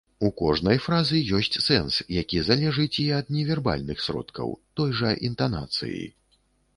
У кожнай фразы ёсць сэнс, які залежыць і ад невярбальных сродкаў, той жа інтанацыі.